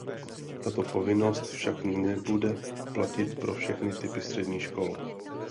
Tato povinnost však nebude platit pro všechny typy středních škol.